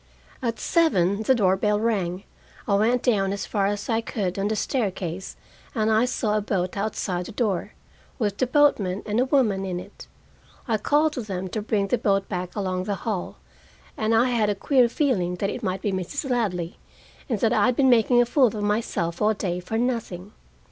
At seven the door bell rang. I went down as far as I could on the staircase, and I saw a boat outside the door, with the boatman and a woman in it. I called to them to bring the boat back along the hall, and I had a queer feeling that it might be Mrs. Ladley, and that I'd been making a fool of myself all day for nothing.